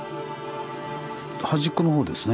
端っこのほうですね。